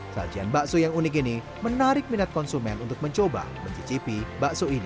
sajian bakso yang unik ini menarik minat konsumen untuk mencoba mencicipi bakso ini